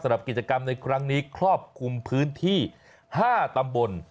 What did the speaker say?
สำหรับกิจกรรมในครั้งนี้ครอบคลุมพื้นที่๕ตำบล